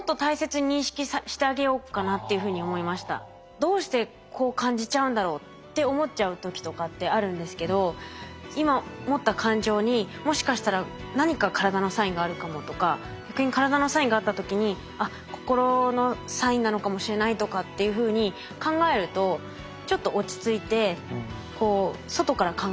どうしてこう感じちゃうんだろうって思っちゃう時とかってあるんですけど今持った感情にもしかしたら何か体のサインがあるかもとか逆に体のサインがあった時にあっ心のサインなのかもしれないとかっていうふうに考えるとちょっと落ち着いてこう外から考えられるかもしれないですね。